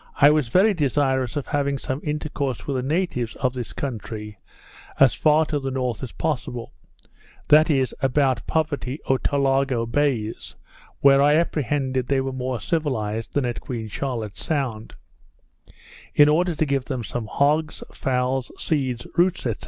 I was very desirous of having some intercourse with the natives of this country as far to the north as possible; that is, about Poverty or Tolaga Bays, where I apprehended they were more civilized than at Queen Charlotte's Sound; in order to give them some hogs, fowls, seeds, roots, &c.